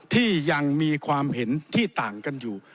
ที่ยังมีความเห็นที่ต่างกันอยู่